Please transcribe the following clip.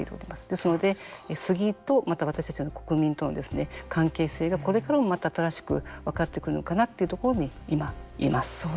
ですのでスギと、また私たち国民との関係性が、これからもまた新しく分かってくるのかなというところに今います。